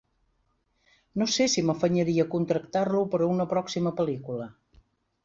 No sé si m'afanyaria a contractar-lo per a una pròxima pel·lícula.